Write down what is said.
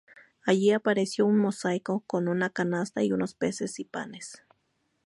Allí apareció un mosaico con una canasta y unos peces y panes.